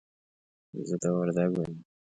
زه د وردګو يم.